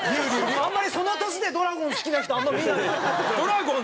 あんまりその年でドラゴン好きな人あんまり見ないなと思って。